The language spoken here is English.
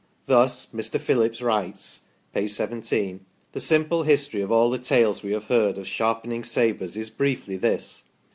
Thus Mr. Phillips writes (p. 17): " The simple history of all the tales we have heard of sharpening sabres is briefly this.